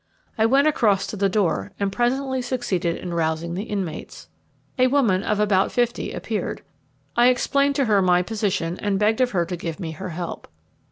I went across to the door, and presently succeeded in rousing the inmates. A woman of about fifty appeared. I explained to her my position, and begged of her to give me her help.